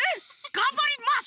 がんばります！